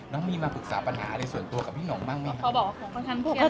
น้องมีมาปรึกษาปัญหาในส่วนตัวกับพี่น้องบ้างไหมคะ